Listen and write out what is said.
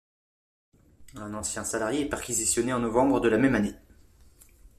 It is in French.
Un ancien salarié est perquisitionné en novembre de la même année.